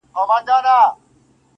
ستا سندريز روح چي په موسکا وليد، بل,